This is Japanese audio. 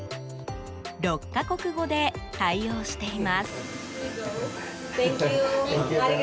６か国語で対応しています。